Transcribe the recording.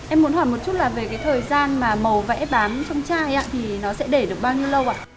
em muốn hỏi một chút là về cái thời gian mà màu vẽ bám trong chai thì nó sẽ để được bao nhiêu lâu ạ